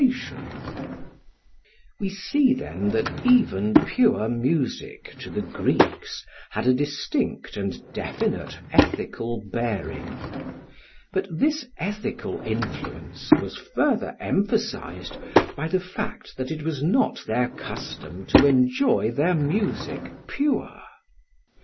6586. Translated by Jowett.] We see then that even pure music, to the Greeks, had a distinct and definite ethical bearing. But this ethical influence was further emphasised by the fact that it was not their custom to enjoy their music pure.